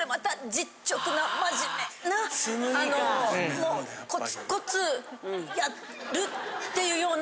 もうコツコツやるっていうような。